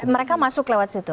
mereka masuk lewat situ